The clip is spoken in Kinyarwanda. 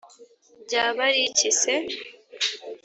byaba ariki se?